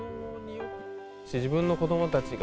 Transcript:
自分の子どもたちが、